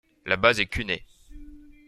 La base est cunée.